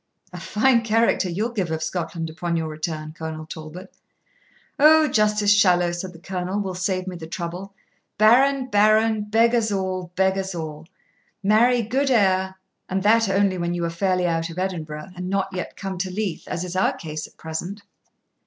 'A fine character you'll give of Scotland upon your return, Colonel Talbot.' 'O, Justice Shallow,' said the Colonel, 'will save me the trouble "Barren, barren, beggars all, beggars all. Marry, good air," and that only when you are fairly out of Edinburgh, and not yet come to Leith, as is our case at present.'